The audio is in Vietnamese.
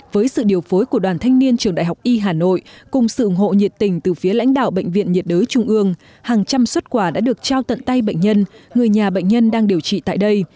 với sự điều phối của đoàn thanh niên trường đại học y hà nội cùng sự ủng hộ nhiệt tình từ phía lãnh đạo bệnh viện nhiệt đới trung ương hàng trăm xuất quà đã được trao tận tay bệnh nhân người nhà bệnh nhân đang điều trị tại đây